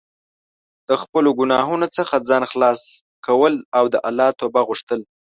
د خپلو ګناهونو څخه ځان خلاص کول او د الله توبه غوښتل.